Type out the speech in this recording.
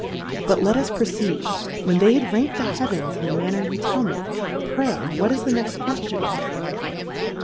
But let us proceed ; When they had rank'd the Heavens in the Manner you tell me, pray, what is the next Quellion